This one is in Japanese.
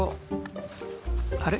あれ？